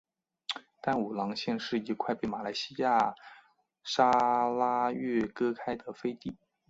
淡武廊县是一块被马来西亚砂拉越割开的飞地。